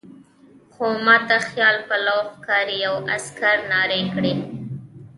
خو ما ته خیال پلو ښکاري، یوه عسکر نارې کړې.